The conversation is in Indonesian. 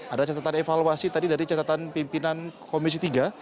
ada catatan evaluasi tadi dari catatan pimpinan komisi tiga